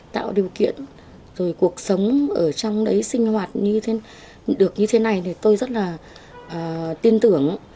tạo điều kiện rồi cuộc sống ở trong đấy sinh hoạt được như thế này tôi rất là tin tưởng